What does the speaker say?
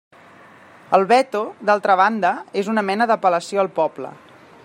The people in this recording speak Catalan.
El veto, d'altra banda, és una mena d'apel·lació al poble.